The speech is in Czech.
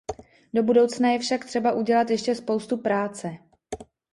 Do budoucna je však třeba udělat ještě spoustu práce.